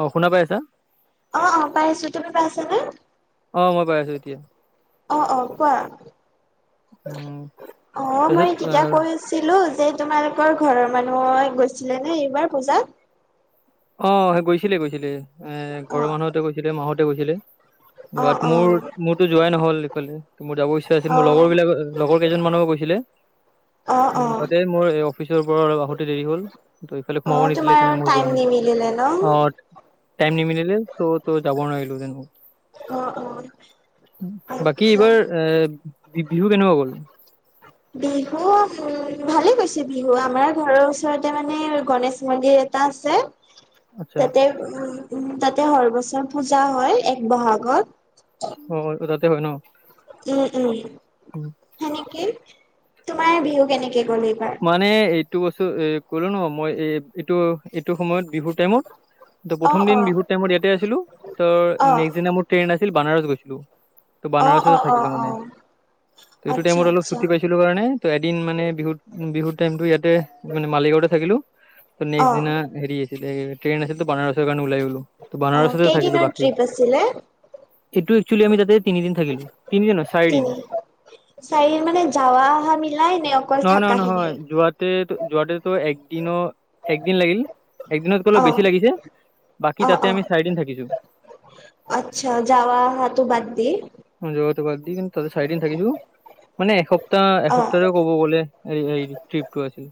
অ শুনা পাই আছা? অঁ অঁ পাইছো, তুমি পাইছা নে? অঁ মই পাই আছো এতিয়া। অঁ অঁ কোৱা, উম অঁ মই তাৰপিছত তেতিয়া কিতাপ পঢ়ি ছিলো যে, তোমালোকৰ ঘৰৰ মানুহ গৈছিলে নে এইবাৰ পূজাত? অঁ সেই গৈছিলে গৈছিলে। এ অ ঘৰৰ মানুহতে গৈছিলে মাহতে গৈছিলে। অ বাত অ মোৰ মোৰতো যোৱাই নহ'ল, ইফালে মোৰ যাব ইচ্ছা আছিল অ মোৰ লগৰ বিলাক লগৰ কেইজন মানো গৈছিলে, অ অ উম তাতে মোৰ অফিচৰ পৰা অলপ আহোতে দেৰি হ'ল। ত সেইফালে সোমাব নিদিলে সেইকাৰণে মই যোৱা নাই। নিদিলে ন? অ টাইম নিমিল ত, ত যাব নোৱাৰিলো দেন। অ অ বাকী আচ্ছা এইবাৰ এ বিহু কেনেকুৱা গ'ল? বিহু উম ভালে গৈছে বিহু, আমাৰ ঘৰৰ ওচৰতে মানে গনেশ মন্দিৰ তা আছে। আচ্ছা তাতে উম তাতে সৰ বছৰ পূজা হয় এক বহাগত। হয় হয়, তোৰ তাতে হয় ন? উম-উম সেনেকেই, তোমাৰ বিহু কেনেকে গ'ল এইবাৰ? মানে এইটো বস্তু এ ক'লো ন, মই এই এইটো যিটো সময়ত বিহুৰ টাইমত ত অ প্ৰথম অ দিন বিহুৰত টাইমত ইয়াতে আছিলো, ত অ নেক্সট দিনা মোৰ ট্ৰেইন আছিল বানাৰস গৈছিলো। ত অ বানাৰসতে অ অ থাকিলো অ মানে। এইটো আচ্ছা টাইমত অলপ আচ্ছা ছুটি পাইছিলো কাৰণে ত এদিন মানে বিহুত বিহুৰ টাইমতটো ইয়াতে মানে মালিগাঁৱতে থাকিলোঁ। অ নেক্সট দিনা হেৰি আছিলে ট্ৰেইন আছিলে বনাৰসৰ কাৰণে ওলাই গলো। অ বনাৰসতে থাকিলো কেইদিনৰ বাকী। ট্ৰিপ আছিলে এইটো এক্সুৱলি আমি তাতে তিনিদিন থাকিলো, তিনিদিন নহয় চাৰিদিন। তিনি চাৰি মানে যাৱা অহা মিলাই নে? অকল নহয় নহয় থাকাখিনিয়ে নহয় যোৱাতে যোৱাতেতো একদিনো একদিন লাগিল, একদিনতক অলপ অ বেছি লাগিছে। বাকী অ তাতে অ আমি চাৰি দিন থাকিছো। আচ্ছা যোৱা অহাতো বাদ দি। যোৱাটো বাদ দি কিন্তু তাতে চাৰিদিন থাকিলো। মানে এসপ্তাহ অ এসপ্তাহও ক'ব গ'লে। হেৰি হেৰি ট্ৰিপ টো আছিল,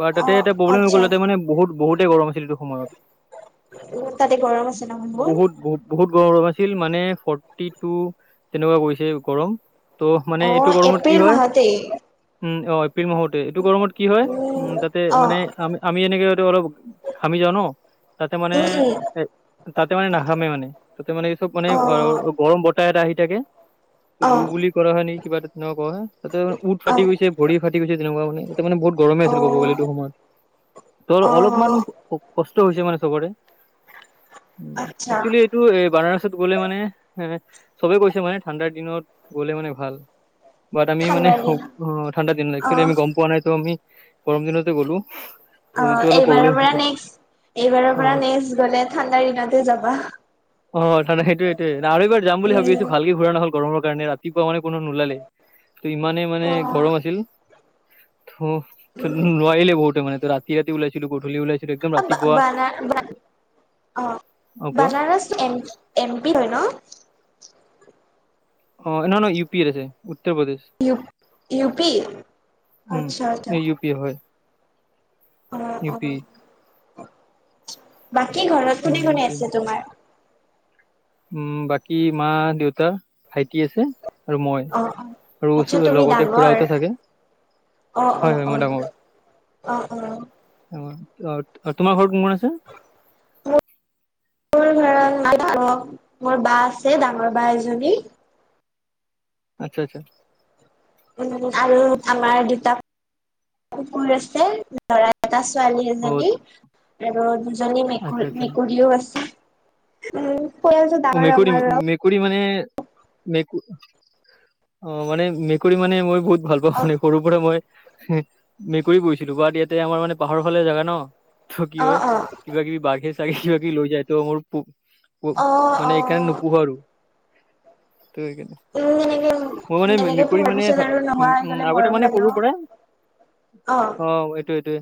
বাৰ অ তাতে এটা প্ৰবল হৈ আচ্ছা গ'ল তাতে মানে বহুত -বহুতে গৰম আছিল। এইটো সময়ত তাতে গৰম আছে ন বহুত বহুত গৰম গৰম আছিল, মানে ফৰ্টি টু তেনেকুৱা কৰিছে গৰম। ত' মানে অ এইটো গৰমত কি এপ্ৰিল হয়? মাহতেই উম অ এপ্ৰিল মাহতে, এইটো গৰমত কি হয় উম তাতে মানে আমি আমি এনেকে এইটো অলপ ঘামি যাওঁ ন তাতে মানে উম উম এ। তাতে মানে নাঘামে মানে, তাতে মানে এই চব মানে অ অঁ গৰম বতাহ এটা আহি থাকে। অ লু বুলি কৰা হয় নেকি কিবা তাতে ন তাতে উঠ অ ফাটি গৈছে। ভৰি ফাটি গৈছে তেনেকুৱা মানে, ইয়াত মানে বহত গৰমে আছিল কব গ'লে এইটো অ সময়ত। ত অ অলপমান কষ্ট হৈছে মানে চবৰে। উ আচ্ছা একচুৱেলি এইটো বানাৰসত গ'লে মানে এ চবে কৈছে মানে ঠাণ্ডাৰ দিনত গ'লে মানে ভাল। বাট আমি মানে ঠাণ্ডাৰ দিন সৌব হ ঠাণ্ডা দিন কেলে আমি অ গম পোৱা নাই ত মি গৰম দিনতে গ'লো। অ এইটো অলপ এইবাৰৰ প্ৰব্লেম পৰা হ'ল। নেক্সট, এইবাৰৰ অ পৰা নেক্সট গলে ঠাণ্ডাৰ দিনতে যাবা। অ ঠান সেইটোৱে সেইটোৱে দাৰু এইবাৰ যাম বুলি ভাবি উম আছো ভালকে ঘূৰা নহল গৰমৰ কাৰণে ৰাত- তি কোৱা মানে কোনো নোলালেই, টি ইমানেই মানে অ গৰম আছিল। থু নোৱাৰিলে বহুতে মানে সেইটো ৰাতি ৰাতি ওলাইছিলো গধূলি ওলাই অ [unintelligible] অ অ কোৱা বনাৰস এম এম পি ধয় ন। অ নহয় নহয় ইউ পিৰ আছে Uttar Pradesh. U U P আত্চ্ছা আতা পিয় হয়। অ ইউ অ পি বাকী ঘৰত উম কোনে কোনে আছে তোমাৰ? উম বাকী মা, দেউতা, ভাইটি আছে। আৰু মই অ অ আৰু আচ্ছা উচুতে তুমি লগতে ডাঙৰ খুৰাহতে থাকে। অ অ হয় হয় মই অ অ অ অ অ তোমাৰ ঘৰত কোন কোন আছে? মোৰ ঘৰত [unintelligible] মোৰ বা আছে ডাঙৰ বা এজনী আত্চ্ছা আচ্ছা। উ আৰু আমাৰ দুটা কুকুৰ আছে। লৰা এটা ছোৱালী অ এজনী আৰু দুজনী আচ্ছা মেকুৰী আচ্ছা মেকুৰীও আছে। উম। পৰিয়ালটো অ ডাঙৰ মেকুৰী আমাৰ মেক- কুৰী মানে মেকু অ মানে মেকুৰী মানে মই বহুত ভাল অ [unintelligible] সৰু পৰাই মই হে মেকুৰী পুহিছিলো বাট ইয়াতে আমাৰ মানে পাহাৰৰ ফালে জাগা ন ত কি অ হয় অ কিবা কিবি বাঘে চাগে কিবা কিবি লৈ যায় ত মোৰ পুক পু অ অ হেন নোপোহো আৰু ত সেইকানে উম এনেকে মই মানে এনেকে মেকুৰী পোহাৰ মানে পিছত আৰু উ নোহোৱা হৈ উ গলে আগতে মৰম মানে লাগে ন সৰু পৰা অ এইটো এইটোৱে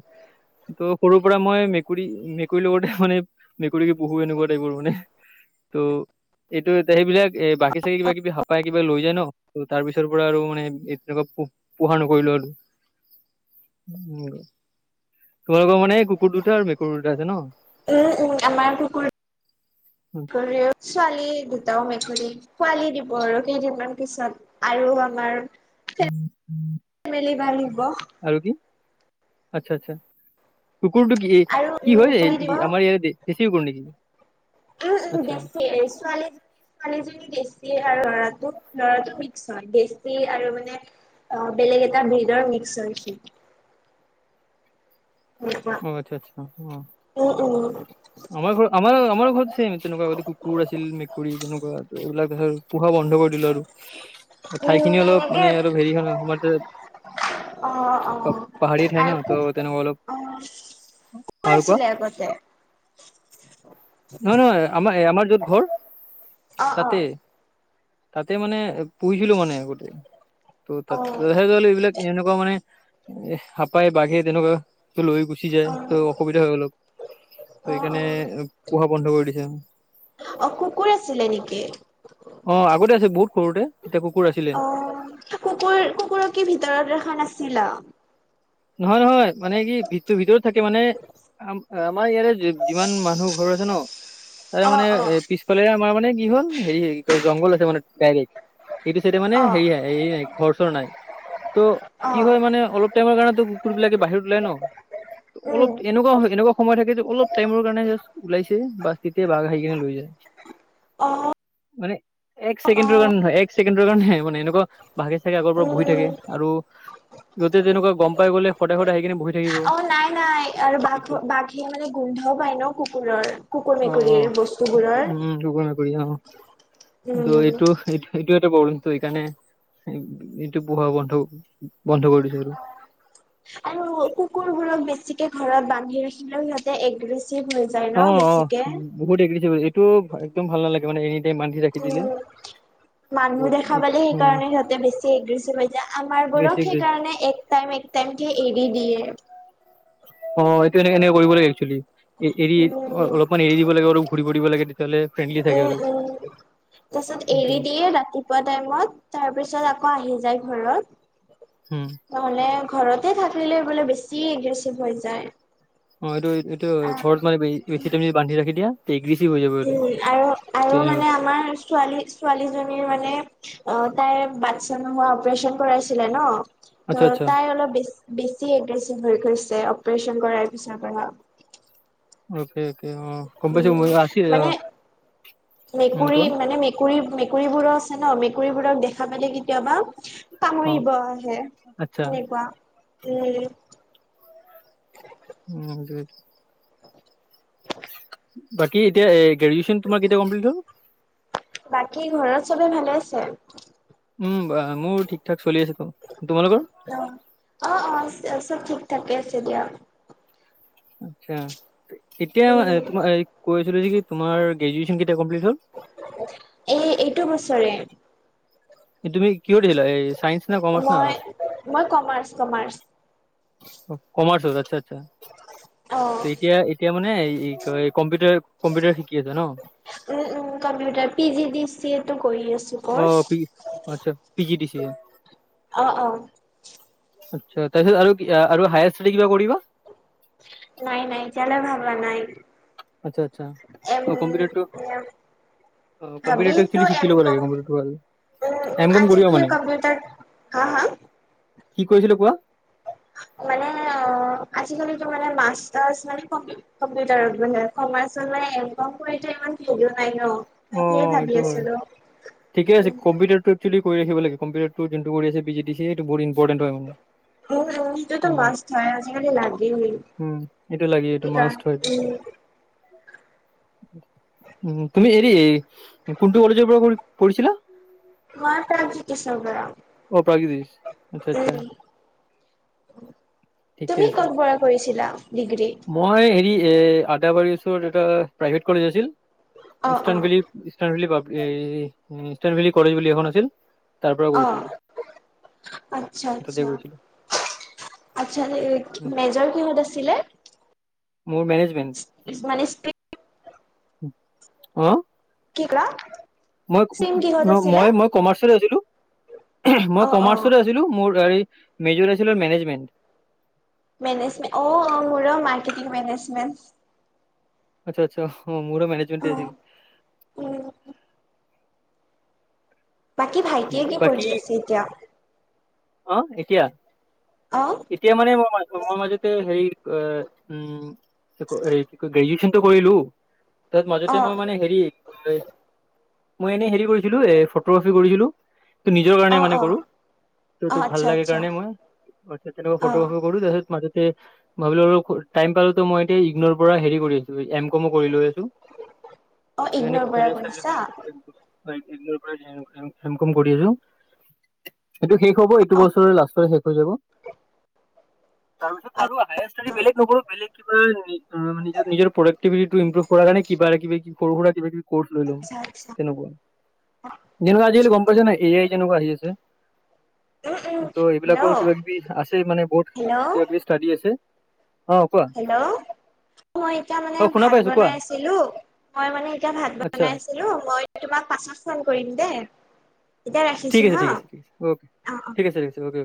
ত সৰুৰ পৰা মই মেকুৰী মেকুৰীৰ লগতে মানে মেকুৰী পুহু এনেকুৱা টাইপৰ মানে। ত এইটো ইয়াতে এইবিলাক এ বাঘে চাঘে কিবা কিবি হাপাই কিবা লৈ যায় ন। তাৰ পিছৰ পৰা আৰু মানে এ তেনেকুৱা পো পোহা নকৰিলো আৰু। উ তোমালোকৰ মানে কুকুৰ দুটা আৰু মেকুৰী দুটা আছে ন। উম উম আমাৰ কুকুৰ কৰি ছোৱালী দুটাও মেকুৰী পোৱালী দিব আৰু কেইদিনমান পিছত। আৰু আমাৰ ফেমেলি বাঢ়িব আৰু কি আত্চ্ছা চা কুকুৰটো কি আৰু কি হয় উম পোৱালি দিব আমাৰ ইয়ৰে দে দেছি কুকুৰ নেকি? উম উম আচ্ছা দেছি ছোৱালী [unintelligible] জনী দেছীয়ে আৰ লৰাটো, লৰাটো মিক্স হয় দেছি আৰু মানে অ বেলেগ এটা বিধৰ মিক্স হয় সি। সেনেকুৱা। অ আত্চ্ছা ছা অ উম উম। আমাৰ ঘৰ আমাৰ আমাৰ ঘৰত ছেম তেনেকুৱা কুকুৰ আছিল মেকুৰী তেনেকুৱা এইবিলাক এইবিলাক পোহা বন্ধ কৰি দিলো আৰু। [unintelligible] ঠাই উম, খিনি অলপ মানে এনেকে অলপ হেৰি হয় ন সম অ পাহাৰীয়া ঠাই আৰু ন খুব ত তেনেকুৱা অলপ আৰু কোৱা তে [inaudible] নহয় নহয় আমাৰ আমাৰ য'ত ঘৰ অ', তাতে অ'। তাতে মানে পুহিছিলো মানে আগতে ত' ত অ', তথ এইবিলাক এনেকুৱা মানে হাপাই বাঘে তেনেকুৱাটো লৈ গৈছ গুচি যায় অ', অ', ত' অসুবিধা হয় অলপ ত সেইকাৰণে অ', পোহা বন্ধ কৰি দিছে অ কুকুৰ আছিলে নেকি অ আগতে আছিল বহুত সৰুতে তেতিয়া কুকুৰ আছিলে অ কুকুৰ কুকুৰক কি ভিতৰত ৰখা নাছিলা নহয় নহয় মানে কি ভিতৰ ভিতৰত থাকে মানে আম আমাৰ ইয়াৰে যিমান মানুহ ঘৰ আছে ন তাৰে মানে অ', অ', এ পিছফালে আমাৰ মানে কি হ'ল হেৰি জংঘল আছে মানে ডাইৰেক্ট সেইটো চাইড মানে অ', হেৰি হ নাই ঘৰ চৰ নাই ত কি অ', হয় মানে অলপ টাইমৰ কাৰণে কুকুৰ বিলাকে বাহিৰত ওলাই ন অলপ উম, এনেকুৱা এনেকুৱা সময় থাকে যে অলপ টাইমৰ কাৰণে জা ওলাইছে বাছ তেতিয়া বাঘ আহি কেনে লৈ যায় অ মানে এক ছেকেণ্ডৰ অ'। কাৰণে হয় এক ছেকেণ্ডৰ কাৰণেহে মানে এনেকুৱা ভাগে চাগে আগৰ পৰা বহি উম, থাকে আৰু যতে তেনেকুৱা গম পাই গ'লে সদায় সদায় আহি কিনে বহি থাক অ নাই নাই আৰু বাঘ বাঘে মানে গোন্ধও পায় ন কুকুৰৰ কুকুৰ মেকুৰীৰ বস্তু বোৰৰ ঘোষণা কৰি আহও ত উম এইটো এইটো সেইটো প্ৰব্লেম সেইকাৰণে এইটো পোহা বন্ধ বন্ধ কৰি দিছো আৰু আৰু কুকুৰবোৰক বেছিকে ঘৰত বান্ধি ৰাখিলেও সিহতে অগ্ৰিছিভ হৈ যায় ন অ অ বেছিকে বহুত অগ্ৰেশিভ হৈ যায় এইটো একদম ভাল নালাগে মানে এনি টাইম বান্ধি ৰাখি দিলে উম মানুহ দেখা পালে উম সেইকাৰণে সিহঁতে বেছি এগ্ৰেচিভ হৈ যায় আমাৰ বেছি বোৰক এগ্ৰেছিভ। সেইকাৰণে এক টিকে একটাইমকে এৰি দিয়ে অ এইটো এনে এনে কৰিব লাগে একচোৱেলি এৰি উম উম অলপমান এৰি দিব লাগে অলপ ঘূৰি দিব লাগে তেতিয়া লে ফ্ৰেণ্ডলি থাকে অলপ উম [inaudible] এৰি দি পোৱা টাইমত তাৰ পিছত আকৌ আহি যায় ঘৰত উম নহ'লে ঘৰতে থাকিলে বোলে বেছি এগ্ৰেচিভ হৈ যায় অ এইটো এইটো ঘৰত মানে বেছি তুমি বান্ধি ৰাখি দিয়া অগ্ৰেছিভ হৈ যাব এইটো উম আৰু তে আৰু এনেকুৱা। মানে আমাৰ ছোৱালী ছোৱালীজনীৰ মানে অ তাইৰ বাচ্ছা নোহোৱা তাৰ অপাৰেচন কৰাইছিলে ন আচ্ছা ত আচ্ছা তাই অলপ বেছ বেছি এগ্ৰেছিভ হৈ গৈছে অপাৰেচন কৰাৰ পিছৰ পৰা অকে অকে অ গম পাইছো উম মই আছি মানে অ' উম মেকুৰী কোৱা মানে ম মেকুৰী মেকুৰীবোৰো আছে ন মেকুৰীবোৰক দেখা পালে কিন্তু আমাক অ' কামুৰিব আহে আচ্ছা। সেনেকুৱা উম উম বাকী এতিয়া গ্ৰেজুৱেচন তোমাৰ কেতিয়া কমপ্লিট হ'ল বাকী ঘৰত চবে ভালে আছে উম বা মোৰ ঠিক ঠাক চলি আছে ক তোমালোকৰ অ অ অ চব ঠিক ঠাক আছে দিয়া আচ্ছা কেতিয়া উম তোমা কৈ আছিল যে কি তোমাৰ গ্ৰেজোয়েচন কমপ্লেট হল এই এইটো বছৰে তুমি কিয় দিলা এই চাইন্স না কমাৰ্চ না মই আৰ্টচ? মই কমাৰ্চ কমাৰ্চ কমাৰ্চত আচ্ছা আচ্ছা অ ত' এতিয়া এতিয়া মানে ই ক কম্পিউটাৰ কম্পিউটাৰ শিকি আছা ন উম উম computer P G D C এটো কৰি আছো অ' কৰ্চ পি আচ্ছা পি জি ডি চি অ অ আচ্ছা তাৰপিছত আৰু কি আ আৰু হায়াৰ ষ্টাডী কিবা কৰিবা নাই নাই এতিয়ালে ভাবা নাই আচ্ছা আচ্ছা এম অ কম্পিউটাৰটো এম অ কম্পিউটাৰটো ভাবিতো একচুৱেলি শিকি এম ল'ব কম লাগে কম্পিউটাৰটো ভাল উম এম কম আজি কৰিবা কি মানে কম্পিউটাৰ হা হা কি কৰিছিলো কোৱা মানে অ আজিকালিতো মানে মাষ্টাৰছ মানে কমপ্লিট কম্পিউটাৰত মানে কমাৰ্চত মানে এম কম কৰিটো ইমান ভেলু নাই ন অ তাকেই ভাবি এইটো হয় আছিলো। ঠিকে আছে কম্পিউটাৰটো একচোৱেলি কৰি ৰাখিব লাগে কম্পিউটাৰটো যোনটো কৰি আছে পিজি ডিচি সেইটো বহুত ইম্পটেন হয় মানে। উম উম সেইটোতো উম মাষ্ট হয় আজিকালি লাগেই উম এইটো লাগে এইটো মাষ্ট হয় সেইকাৰণে উম উম তুমি এ তি কোনটো কলেজৰ পৰা ক কৰিছিলা মই প্ৰাগজ্যোতিষৰ পৰা অ প্ৰাগজ্যোতিষ আচ্ছা আচ্ছা ঠিকে তুমি আছে ক'ত পৰা কৰিছিলা ডিগ্ৰী? মই হেৰি এ আদাবাৰীৰ ওচৰত এটা প্ৰাইভেট কলেজ আছিল অ' ইষ্টাণ অ' ভেলী ইষ্টান ভেলী পাব এ উম ইষ্টান ভেলী কলেজ বুলি এখন আছিল তাৰ পৰা অ' কৰিছিলো আচ্ছা তাতে আচ্ছা কৰিছিলো আচ্ছা তে মেজৰ কিহত আছিল ছিলে মোৰ মেনেজমেন্ট মানে ষ্ট্ৰীম অ কিক্ৰা মই মই মই কমাৰ্চত আছিলো ওম মই অ' অ'। কমাৰ্চতে আছ ছিলো মোৰ গাড়ী মেজু আছিলে মেনেজমেন্ট মেনেজমেণ্ট অ অ মোৰো মাৰ্কেটিং মেনেজমেণ্ট আচ্ছা আচ্ছা অ মোৰো মেনেজমেণ্টে আছিল অ', উম বাকী ভাইটিয়ে কি বাকী পঢ়ি আছে এতিয়া অ এতিয়া অ এতিয়া মানে মই মই মাজতে হেৰি আ উম গ্ৰেজুৱেচনটো কৰিলো তাৰ মাজতে অ', মই মানে হেৰি মই এনে হেৰি কৰিছিলো এ ফটোগ্ৰাফী কৰিছিলো এইটো নিজৰ কাৰণে অ', মানে অ', কৰো অ', এইটো ভাল আচ্ছা, লাগে আচ্ছা, কাৰণে মই ফটো অ', কৰো তাৰপিছত মাজতে ভাবিলো টাইম পালেতো মই এতিয়া ইগনৰ পৰা হেৰি কৰিম উই, এম কম কৰিলো এইটো অ', কিন্তু ইগনৰ পৰা কৰিছা? এনে [unintelligible] [unintelligible] এম কম কৰি আছো। সেইটো শেষ হ'ব এইটো অ', বছৰে লাষ্টৰে শেষ হৈ যাব। কৰণৰটোত আৰু হাইহেষ্ট [unintelligible] আচ্ছা, তিবিলিটো ইম্প্ৰোভৱ কৰা কাৰণে কিবা কিবি সৰু সুৰা কিবা কিবি কৰ্চ লৈ লম' আচ্ছা, আচ্ছা, তেনেকুৱা। যেনেকুৱা আচ্ছা আজিকালি গম আচ্ছা। পাইছ নাই এ আই যেনেকুৱা আহি আছে। উম, উম, ত' এইবিলাকৰ হেল্ল', কিবা কিবি আছে মানে বহুত হেল্ল', কিবা কিবি ষ্টাডি আছে। অ কোৱা হেল্ল'। মই এতিয়া মানে অ শুনা ভাত পাইছো কোৱা বনাই আছিলো। মই মানে এতিয়া ভাত আচ্ছা বনাই আছ ছিলো মই তোমাক পাছত ফোন কৰিম দে। ঠিক আছে ঠিকছে ঠিকছে' অকে অ', অ'। ঠিক আছে ঠিক আছে'অকে অকে।